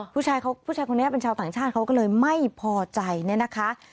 ผู้ชายเขาผู้ชายคนนี้เป็นชาวต่างชาติเขาก็เลยไม่พอใจเนี่ยนะคะ